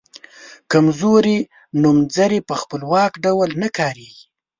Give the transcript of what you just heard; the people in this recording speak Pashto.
کمزوري نومځري په خپلواکه ډول نه کاریږي.